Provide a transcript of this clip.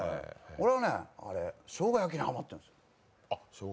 俺はね、しょうが焼きにハマってるんですよ。